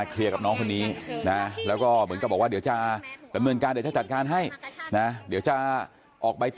เค้าไม่ใช่ผู้จัดการใช่ไหมคะ